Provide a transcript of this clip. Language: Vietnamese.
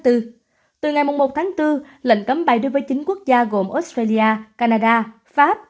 từ ngày một tháng bốn lệnh cấm bay đối với chín quốc gia gồm australia canada pháp